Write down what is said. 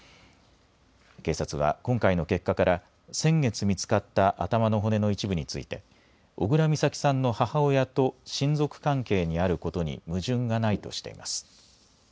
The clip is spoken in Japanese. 警察は今回の結果から、先月見つかった頭の骨の一部について、小倉美咲さんの母親と親族関係にあることに矛盾がないとしています。